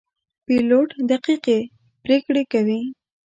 پیلوټ دقیقې پرېکړې کوي.